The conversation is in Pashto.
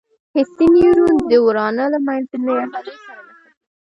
حسي نیورون د ورانه له مخنۍ عضلې سره نښتي.